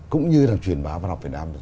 cũng như là truyền bá văn học việt nam